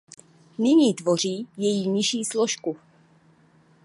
Nyní tvoří její nižší složku.